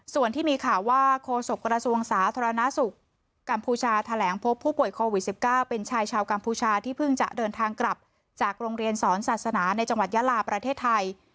ส่วนที่มีข่าวว่าโคศกระทรวงสาธารณสุขกัมพูชาแถลงพบผู้ป่วยโควิด๑๙เป็นชายชาวกัมพูชาที่เพิ่งจะเดินทางกลับจากโรงเรียนสอนศาสนาในจังหวัดยาลาประเทศไทย